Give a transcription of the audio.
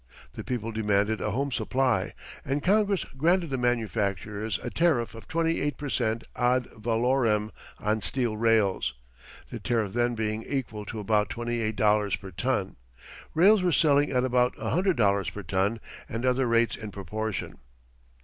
The people demanded a home supply and Congress granted the manufacturers a tariff of twenty eight per cent ad valorem on steel rails the tariff then being equal to about twenty eight dollars per ton. Rails were selling at about a hundred dollars per ton, and other rates in proportion.